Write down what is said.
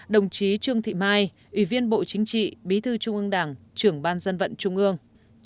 đồng chí trương thị mai ủy viên bộ chính trị bí thư trung ương đảng trưởng ban dân vận trung ương